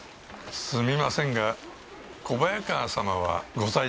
すみませんが小早川様はご在宅ですかな？